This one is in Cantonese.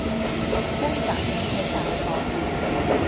空襲引起大火